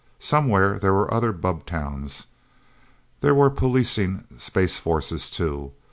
Somewhere there were other bubbtowns. There were policing space forces, too.